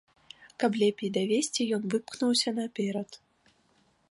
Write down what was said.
Каб лепей давесці, ён выпхнуўся наперад.